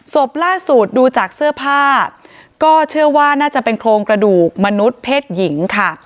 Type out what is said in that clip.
ศพล่าสุดดูจากเสื้อผ้าก็เชื่อว่าน่าจะเป็นโครงกระดูกมนุษย์เพศหญิงค่ะ